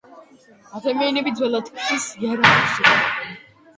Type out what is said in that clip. ადამიანები ძველად ქვის იარაღებს იყენებდნენ.